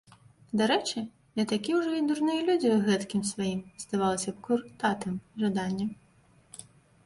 Дарэчы, не такія ўжо і дурныя людзі ў гэткім сваім, здавалася б, куртатым жаданні.